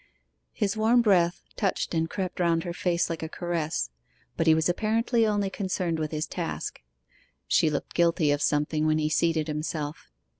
His warm breath touched and crept round her face like a caress; but he was apparently only concerned with his task. She looked guilty of something when he seated himself.